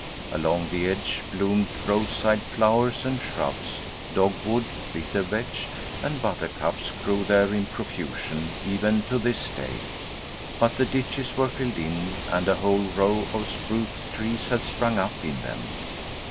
Along the edge bloomed roadside flowers and shrubs; dogwood, bittervetch, and buttercups grew there in profusion even to this day, but the ditches were filled in and a whole row of spruce trees had sprung up in them.